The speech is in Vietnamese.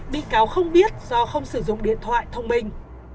bị cáo không biết do không sử dụng điện thoại thông minh